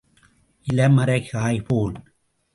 இலைமறை காய் போல்.